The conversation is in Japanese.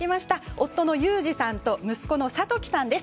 夫の裕士さんと息子の諭樹さんです。